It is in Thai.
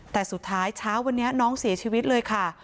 แต่สุดท้ายเช้าวันนี้น้องเสียชีวิตเลยค่ะ